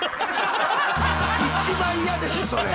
一番嫌ですそれ！